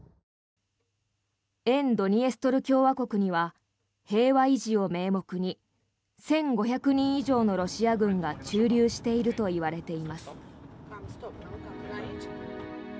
沿ドニエストル共和国には平和維持を名目に１５００人以上のロシア軍が駐留しているといわれています。